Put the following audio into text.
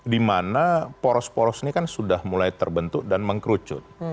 dimana poros poros ini kan sudah mulai terbentuk dan mengkerucut